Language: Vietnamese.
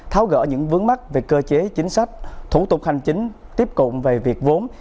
tháo gỡ những vướng mắt về cơ chế chính sách thủ tục hành chính tiếp cụm về việc vốn